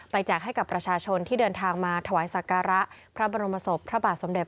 แจกให้กับประชาชนที่เดินทางมาถวายสักการะพระบรมศพพระบาทสมเด็จ